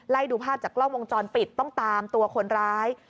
ดูภาพจากกล้องวงจรปิดต้องตามตัวคนร้าย